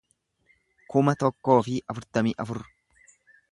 kuma tokkoo fi afurtamii afur